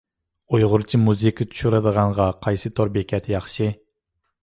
ئۇيغۇرچە مۇزىكا چۈشۈرىدىغانغا قايسى تور بېكەت ياخشى؟